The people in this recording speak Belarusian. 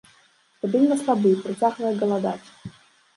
Стабільна слабы, працягвае галадаць.